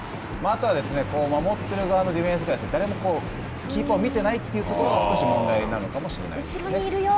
あとは守っている側のディフェンスが誰もキーパーを見てないというところが少し問題なのかもしれないですね。